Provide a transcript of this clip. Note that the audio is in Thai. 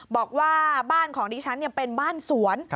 บอกว่าบ้านของดิฉันเป็นบ้านสวน